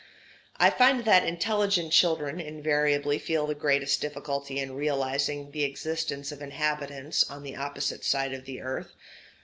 I find that intelligent children invariably feel the greatest difficulty in realizing the existence of inhabitants on the opposite side of the earth.